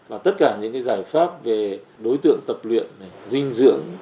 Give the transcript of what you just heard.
và tất cả những giải pháp về đối tượng tập luyện dinh dưỡng